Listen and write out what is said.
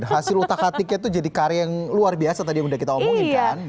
hasil utak atiknya itu jadi karya yang luar biasa tadi yang udah kita omongin kan